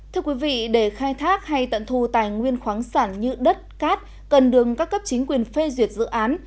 thưa quý vị để khai thác hay tận thu tài nguyên khoáng sản như đất cát cần đường các cấp chính quyền phê duyệt dự án